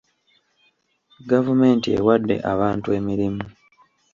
Gavumenti ewadde abantu emirimu.